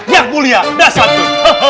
yang mulia dan santun